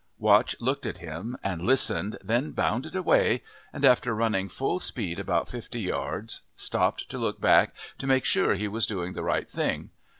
Watch looked at him and listened, then bounded away, and after running full speed about fifty yards stopped to look back to make sure he was doing the right thing.